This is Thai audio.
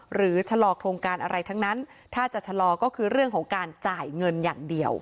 ชะลอโครงการอะไรทั้งนั้นถ้าจะชะลอก็คือเรื่องของการจ่ายเงินอย่างเดียว